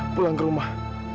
pulang ke rumah